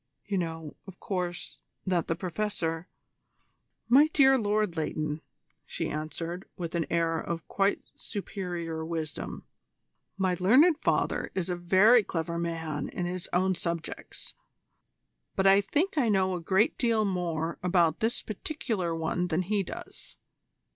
You know, of course, that the Professor " "My dear Lord Leighton," she answered, with an air of quite superior wisdom, "my learned father is a very clever man in his own subjects: but I think I know a great deal more about this particular one than he does.